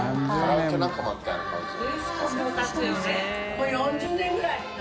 もう４０年ぐらい。